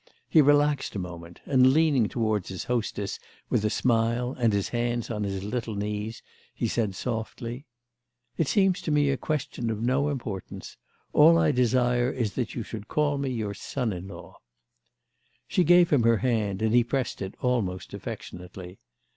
He relaxed a moment and, leaning toward his hostess with a smile and his hands on his little knees, he said softly: "It seems to me a question of no importance. All I desire is that you should call me your son in law." She gave him her hand and he pressed it almost affectionately.